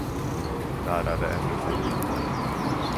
Där är det ännu full vinter.